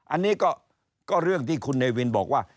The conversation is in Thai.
อันนี้ก็เรื่องที่คุณเนวินบอกว่า